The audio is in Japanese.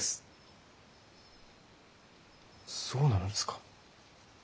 そうなのですか。